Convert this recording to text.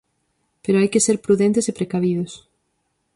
Pero hai que ser prudentes e precavidos.